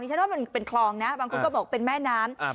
ฉันว่ามันเป็นคลองนะบางคนก็บอกเป็นแม่น้ำ